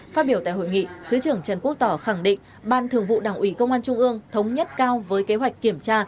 phát biểu tại hội nghị thứ trưởng trần quốc tỏ khẳng định ban thường vụ đảng ủy công an trung ương thống nhất cao với kế hoạch kiểm tra